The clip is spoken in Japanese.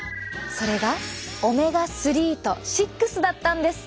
それがオメガ３と６だったんです。